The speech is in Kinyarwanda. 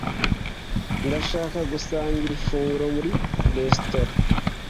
Ndashaka gusangira ifunguro muri resitora.